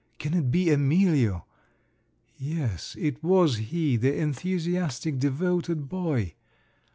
Can it be Emilio? Yes, it was he, the enthusiastic devoted boy!